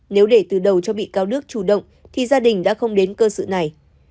nếu để từ đầu cho bị cáo đức chủ động thì gia đình đã không đến cơ sở này